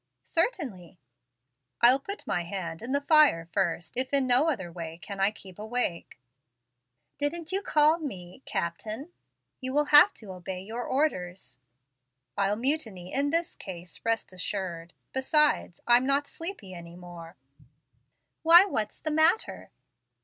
"Certainly." "I'll put my hand in the fire first, if in no other way I can keep awake." "Didn't you call me 'captain'? You will have to obey your orders." "I'll mutiny in this case, rest assured. Besides, I'm not sleepy any more." "Why, what's the matter?"